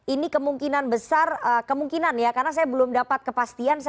ini kemungkinan besar kemungkinan ya karena saya belum dapat kepastian